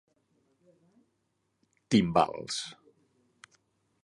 Timbals.